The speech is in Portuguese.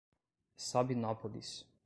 Sabinópolis